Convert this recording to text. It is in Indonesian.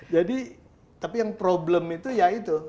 tapi yang problem itu ya itu